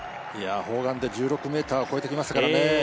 砲丸で１６ｍ越えてきましたからね。